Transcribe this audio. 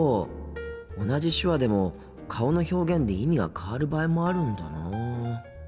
同じ手話でも顔の表現で意味が変わる場合もあるんだなあ。